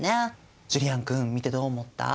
ジュリアン君見てどう思った？